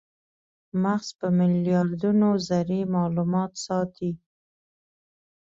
مغز په میلیاردونو ذرې مالومات ساتي.